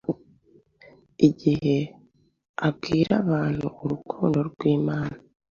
Igihe abwira abantu urukundo rw’Imana,